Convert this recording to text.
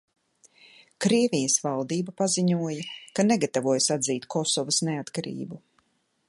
Krievijas valdība paziņoja, ka negatavojas atzīt Kosovas neatkarību.